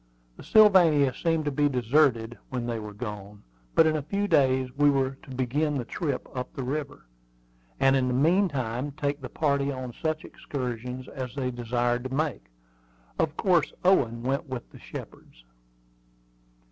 The Sylvania seemed to be deserted when they were gone; but in a few days we were to begin the trip up the river, and in the meantime take the party on such excursions as they desired to make. Of course Owen went with the Shepards.